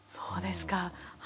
そうですか。